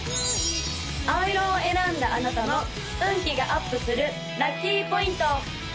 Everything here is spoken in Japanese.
青色を選んだあなたの運気がアップするラッキーポイント！